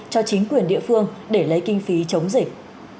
cho chính quyền địa phương để lấy kinh phí chống dịch